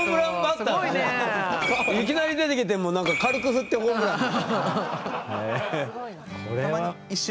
いきなり出てきて軽く振ってホームラン。